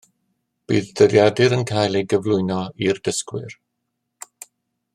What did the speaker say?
Bydd dyddiadur yn cael ei gyflwyno i'r dysgwyr